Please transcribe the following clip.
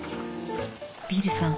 ビルさん